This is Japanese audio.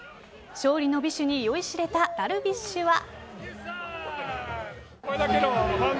勝利の美酒に酔いしれたダルビッシュは。